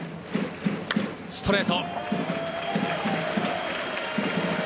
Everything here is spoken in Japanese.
ストレート。